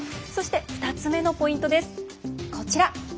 そして、２つ目のポイントです。